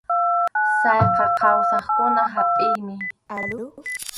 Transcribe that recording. Sallqa kawsaqkuna hapʼiymi.